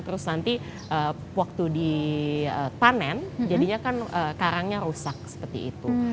terus nanti waktu dipanen jadinya kan karangnya rusak seperti itu